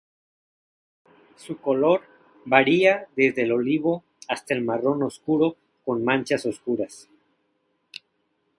Su color varía desde el olivo hasta el marrón oscuro con manchas oscuras.